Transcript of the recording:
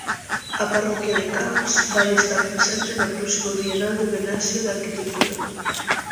A parroquia de Cans vai estar presente na próxima Bienal de Venecia de Arquitectura.